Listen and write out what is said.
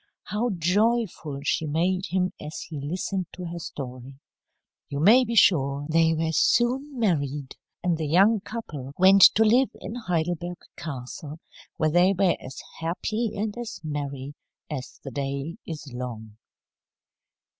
How joyful she made him as he listened to her story! You may be sure they were soon married, and the young couple went to live in Heidelberg Castle, where they were as happy and as merry as the day is long.